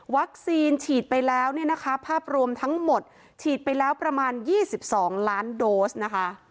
วัคซีนฉีดไปแล้วเนี่ยนะคะภาพรวมทั้งหมดฉีดไปแล้วประมาณยี่สิบสองล้านโดสนะคะ